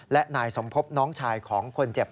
และนายสมพบน้องชายของคนเจ็บ